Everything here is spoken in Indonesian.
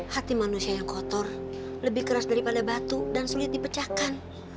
hati manusia yang kotor lebih keras daripada batu dan sulit dipecahkan